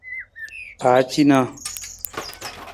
Pacinaa.